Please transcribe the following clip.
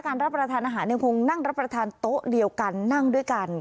รับประทานอาหารยังคงนั่งรับประทานโต๊ะเดียวกันนั่งด้วยกัน